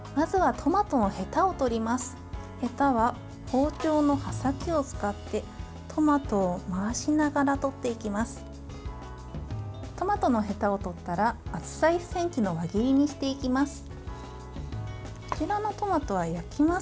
トマトのへたを取ったら厚さ１ｃｍの輪切りにしていきます。